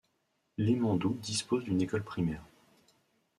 Limendous dispose d'une école primaire.